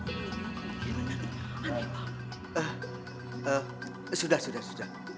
eh eh sudah sudah sudah